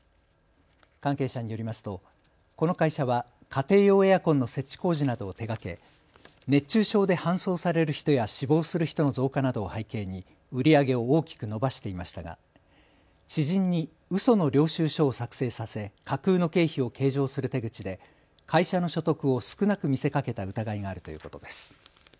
関係者によりますとこの会社は家庭用エアコンの設置工事などを手がけ、熱中症で搬送される人や死亡する人の増加などを背景に売り上げを大きく伸ばしていましたが知人にうその領収証を作成させ架空の経費を計上する手口で会社の所得を少なく見せかけた疑いがあるということです。